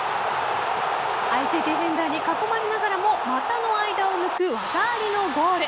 相手ディフェンダーに囲まれながらも股の間を抜く技ありのゴール。